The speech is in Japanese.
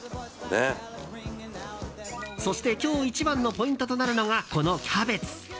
そして、今日一番のポイントとなるのがこのキャベツ。